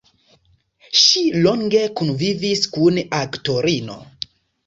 Ŝi longe kunvivis kun aktorino.